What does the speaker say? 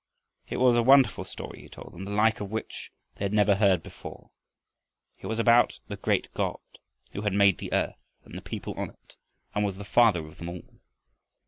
It was a wonderful story he told them, the like of which they had never heard before. It was about the great God, who had made the earth and the people on it, and was the Father of them all.